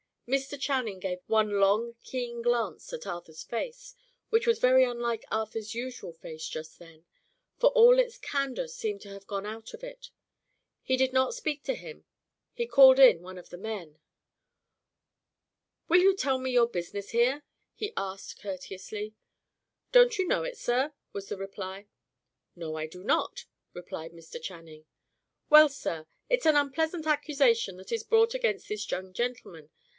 Mr. Channing gave one long, keen glance at Arthur's face which was very unlike Arthur's usual face just then; for all its candour seemed to have gone out of it. He did not speak to him; he called in one of the men. "Will you tell me your business here?" he asked courteously. "Don't you know it, sir?" was the reply. "No, I do not," replied Mr. Channing. "Well, sir, it's an unpleasant accusation that is brought against this young gentleman.